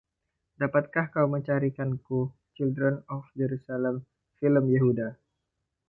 Dapatkah kau mencarikanku, Children of Jerusalem: film Yehuda?